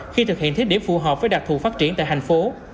khi thực hiện thí điểm phù hợp với đặc thù phát triển tại thành phố